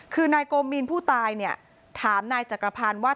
คือนายโกมีนผู้ตายเนี่ยถามนายจักรพันธ์ว่า